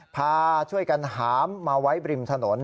พาช่วยกันหามมาไว้บริมถนน